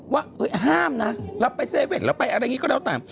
ว่าห้ามนะเราไปเซเว่นเราไปอะไรอย่างนี้ก็แล้วแต่